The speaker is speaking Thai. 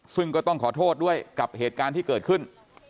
ซึ่งก็ต้องขอโทษด้วยกับเหตุการณ์ที่เกิดขึ้น